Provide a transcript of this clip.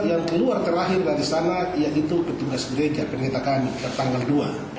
jadi yang keluar terakhir dari sana yaitu petugas gereja penyertakan tanggal dua